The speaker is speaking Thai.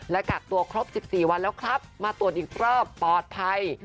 และกักตัวครบ๑๔วันแล้วครับมาตรวจอีกรอบปลอดภัย